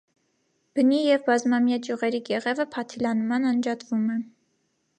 Բնի և բազմամյա ճյուղերի կեղևը փաթիլանման անջատվում է։